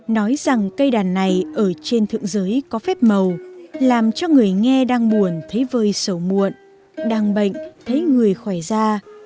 nói rằng cây đàn này ở trên thượng giới có phép màu làm cho người nghe đang buồn thấy vơi sầu muộn đang bệnh thấy người khỏe ra